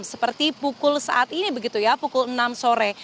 seperti pukul saat ini pukul enam sore